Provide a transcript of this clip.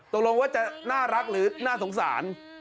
ตกลงว่าจะน่ารักหรือน่าสงสาร